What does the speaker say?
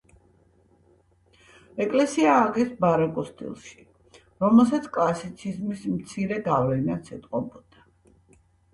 ეკლესია ააგეს ბაროკოს სტილში, რომელსაც კლასიციზმის მცირე გავლენაც ეტყობოდა.